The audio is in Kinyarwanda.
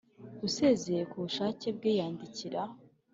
Usezeye ku bushake bwe yandikira